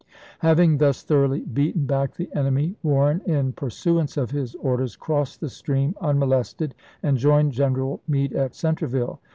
Having thus thoroughly beaten back the enemy, Warren, in pursuance of his orders, crossed the stream unmolested and joined General Meade at Centre ville.